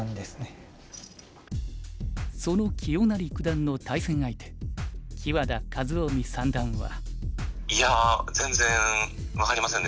その清成九段の対戦相手木和田一臣三段は。